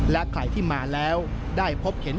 และใครที่มาแล้วได้พบเห็น